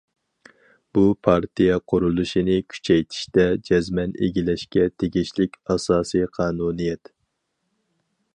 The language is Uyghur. بۇ پارتىيە قۇرۇلۇشىنى كۈچەيتىشتە جەزمەن ئىگىلەشكە تېگىشلىك ئاساسىي قانۇنىيەت.